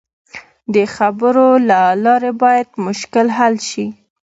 د خبرو له لارې باید مشکل حل شي.